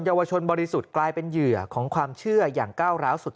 วชนบริสุทธิ์กลายเป็นเหยื่อของความเชื่ออย่างก้าวร้าวสุด